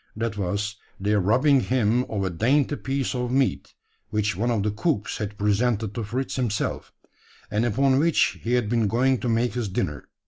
That was, their robbing him of a dainty piece of meat, which one of the cooks had presented to Fritz himself; and upon which he had been going to make his dinner.